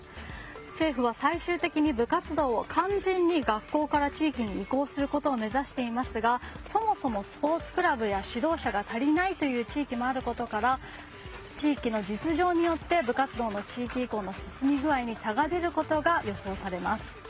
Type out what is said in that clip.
政府は最終的に部活動を完全に学校から地域に移行することを目指していますがそもそもスポーツクラブや指導者が足りないという地域もあることから地域の実情によって部活動の地域移行に差が出ることが予想されます。